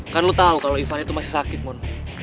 kan lu tau kalo ivan itu masih sakit mon